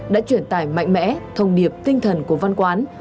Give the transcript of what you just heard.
đã truyền tải mạnh mẽ thông điệp tinh thần của văn quán